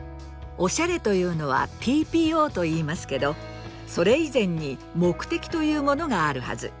お洒落というのはＴＰＯと言いますけどそれ以前に目的というものがあるはず。